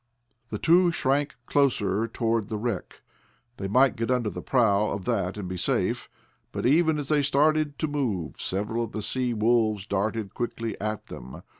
The two shrank closer toward the wreck. They might get under the prow of that and be safe. But even as they started to move, several of the sea wolves darted quickly at them.